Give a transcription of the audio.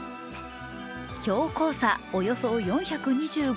標高差およそ４２５ｍ。